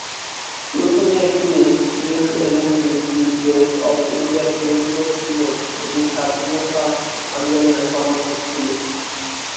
প্রথমে একটি news agency, free press of ইন্ডিয়ার পরিপূরক ছিল, এটি স্বাধীনতা আন্দোলনের সমর্থক ছিল।